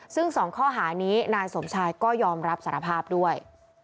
ซึ่ง๒ข้อหานี้นายสมชายก็ยอมรับสารภาพด้วย